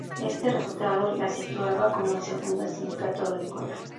Este resultado la situaba como el segundo sindicato agrícola.